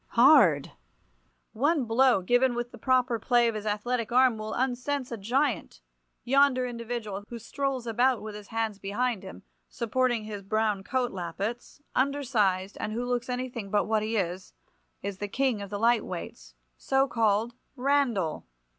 Hard! One blow given with the proper play of his athletic arm will unsense a giant. Yonder individual, who strolls about with his hands behind him, supporting his brown coat lappets, undersized, and who looks anything but what he is, is the king of the light weights, so called—Randall!